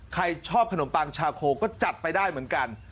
ใครชอบขนมปังชาโคก็จัดไปได้เหมือนกัน